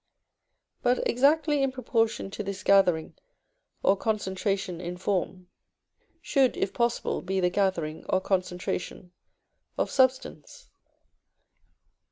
But, exactly in proportion to this gathering or concentration in form, should, if possible, be the gathering or concentration of substance.